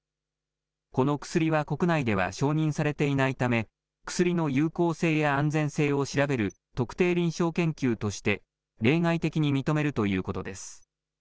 この薬は国内では承認されていないため、薬の有効性や安全性を調べる特定臨床研究として例外的に認めるということです。